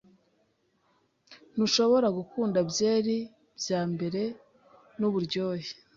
Ntushobora gukunda byeri byambere. Nuburyohe.